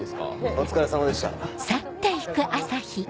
お疲れさまです。